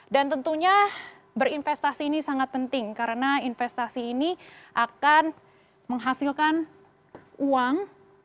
dan tentunya berinvestasi ini sangat penting karena investasi ini akan menghasilkan uang